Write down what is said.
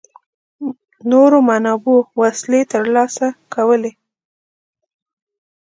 نورو منابعو وسلې ترلاسه کولې.